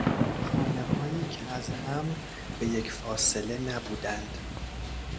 خانههایی که از هم به یک فاصله نبودند